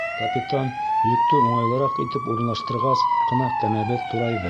Капитан йөктө уңайлыраҡ итеп урынлаштырғас ҡына кәмәбеҙ турайҙы.